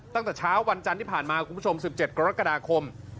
ตั้งแต่เช้าวันจันทร์ที่ผ่านมาคุณผู้ชม๑๗กรกฎาคม